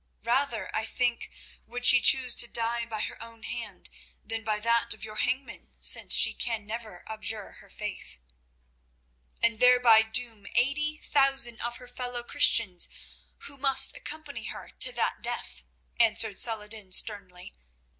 "Rather, I think, would she choose to die by her own hand than by that of your hangman, since she can never abjure her faith." "And thereby doom eighty thousand of her fellow Christians, who must accompany her to that death," answered Saladin sternly.